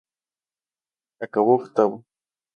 Acabó octavo.